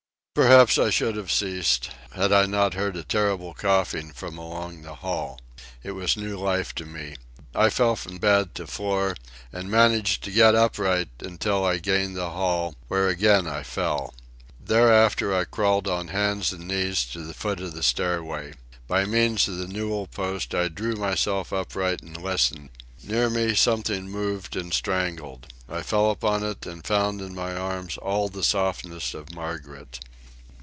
Perhaps I should have ceased, had I not heard a terrible coughing from along the hall. It was new life to me. I fell from bed to floor and managed to get upright until I gained the hall, where again I fell. Thereafter I crawled on hands and knees to the foot of the stairway. By means of the newel post I drew myself upright and listened. Near me something moved and strangled. I fell upon it and found in my arms all the softness of Margaret.